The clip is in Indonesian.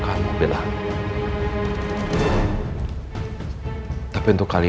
aku benar benar kep burnt off